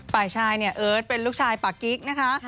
ฝ่ายชายเนี่ยเอิร์ทเป็นลูกชายปากกิ๊กนะคะ